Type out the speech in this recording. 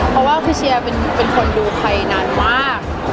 เพราะว่าพี่เชียร์เป็นคนดูใครนานมาก